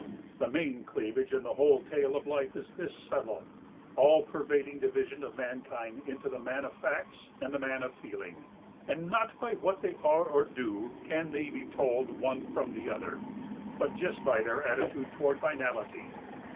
The main cleavage in the whole tale of life is this subtle, all pervading division of mankind into the man of facts and the man of feeling. And not by what they are or do can they be told one from the other, but just by their attitude toward finality.